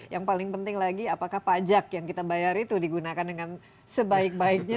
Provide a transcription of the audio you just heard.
yang paling penting lagi apakah pajak yang kita bayar itu digunakan dengan sebaik baiknya